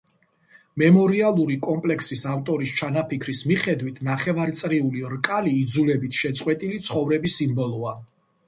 მემორიალური კომპლექსის ავტორის ჩანაფიქრის მიხედვით ნახევრწრიული რკალი იძულებით შეწყვეტილი ცხოვრების სიმბოლოა.